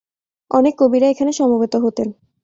অনেক কবিরা এখানে সমবেত হতেন।